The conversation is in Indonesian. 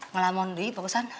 ngelamon di barusan